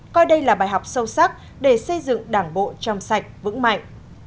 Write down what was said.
coi đây là bài học sâu sắc để xây dựng đảng bộ trong sạch vững mạnh